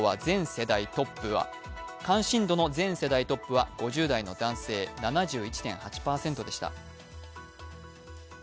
関心度の全世代トップは５０代の男性７１．８％でした。